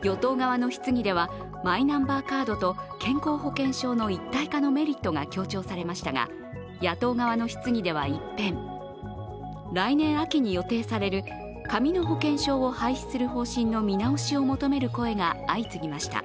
与党側の質疑では、マイナンバーカードと健康保険証の一体化のメリットが強調されましたが野党側の質疑では一変、来年秋に予定される紙の保険証を廃止する方針の見直しを求める声が相次ぎました。